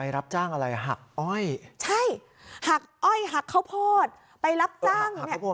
รับจ้างอะไรหักอ้อยใช่หักอ้อยหักข้าวโพดไปรับจ้างเนี่ย